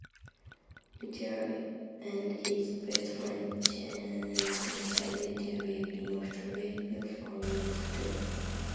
Michael and his best friend then decided to live in Australia following the tour.